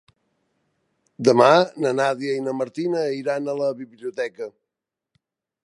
Demà na Nàdia i na Martina iran a la biblioteca.